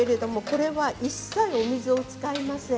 これは一切、水は使いません。